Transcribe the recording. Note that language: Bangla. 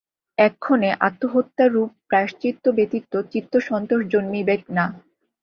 এক্ষণে আত্মহত্যারূপ প্রায়শ্চিত্ত ব্যতীত চিত্তসন্তোষ জন্মিবেক না।